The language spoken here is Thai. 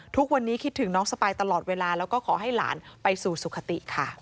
ทุกวันนี้คิดถึงน้องสปายตลอดเวลาแล้วก็ขอให้หลานไปสู่สุขติค่ะ